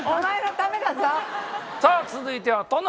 さあ続いてはとの。